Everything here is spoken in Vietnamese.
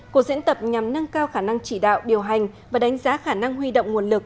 cuộc diễn tập nhằm nâng cao khả năng chỉ đạo điều hành và đánh giá khả năng huy động nguồn lực